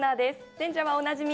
選者はおなじみ